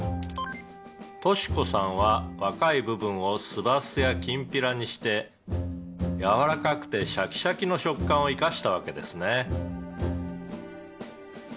「敏子さんは若い部分を酢バスやきんぴらにしてやわらかくてシャキシャキの食感を生かしたわけですね」